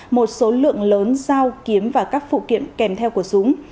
một số lượng lớn dao kiếm và các phụ kiện kèm theo của súng